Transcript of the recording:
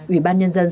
ủy ban nhân dân